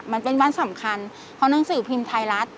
มันเป็นวันสำคัญเพราะหนังสือพิมพ์ไทยรัฐ